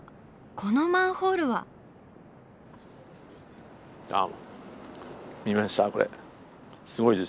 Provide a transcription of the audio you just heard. このマンホールは⁉どうも。